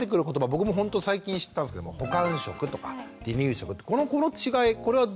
僕もほんと最近知ったんですけども補完食とか離乳食ってこの違いこれはどう。